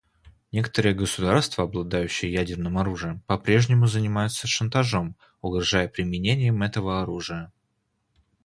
Некоторые государства, обладающие ядерным оружием, по-прежнему занимаются шантажом, угрожая применением этого оружия.